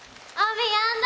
ねやんだ！